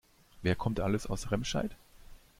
Wer kommt alles aus Remscheid?